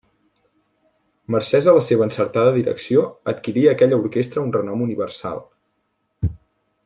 Mercès a la seva encertada direcció adquirí aquella orquestra un renom universal.